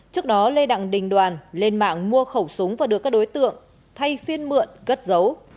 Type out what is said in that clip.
trước đó lê đặng đình đoàn lên mạng mua khẩu súng và đưa các đối tượng thay phiên mượn gất dấu